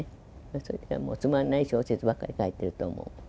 それこそつまらない小説ばっか書いてると思う。